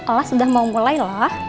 oh sudah mau mulai loh